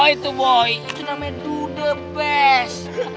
itu namanya do the best